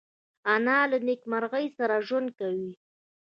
انا له نیکمرغۍ سره ژوند کوي